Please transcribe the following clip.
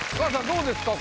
どうですか？